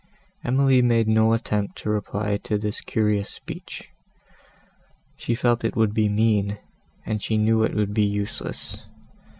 Emily made no attempt to reply to this curious speech; she felt it would be mean, and she knew it would be useless.